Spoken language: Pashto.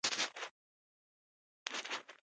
د منګولیا په بورخان خلدون غره کي خښ سوی دی